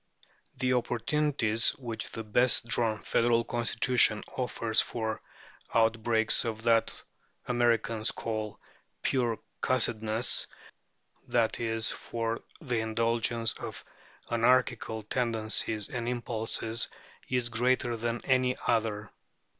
The opportunities which the best drawn federal constitution offers for outbreaks of what Americans call "pure cussedness" that is, for the indulgence of anarchical tendencies and impulses is greater than in any other.